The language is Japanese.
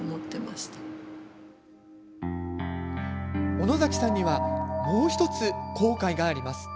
小野崎さんにはもう１つ後悔があります。